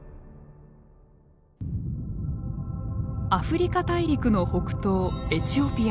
アフリカ大陸の北東エチオピア。